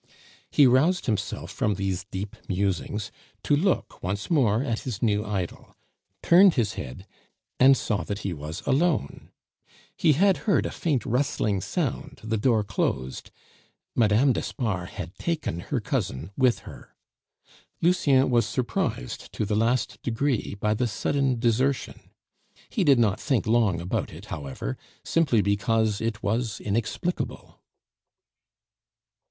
He roused himself from these deep musings to look once more at his new idol, turned his head, and saw that he was alone; he had heard a faint rustling sound, the door closed Madame d'Espard had taken her cousin with her. Lucien was surprised to the last degree by the sudden desertion; he did not think long about it, however, simply because it was inexplicable.